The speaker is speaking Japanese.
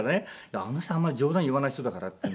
「いやあの人あんまり冗談言わない人だから」って。